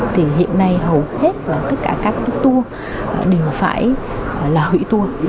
thì hiện nay hầu hết là tất cả các tour đều phải là hủy tour